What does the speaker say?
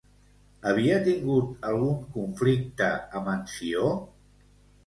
Havia tingut algun conflicte amb en Ció?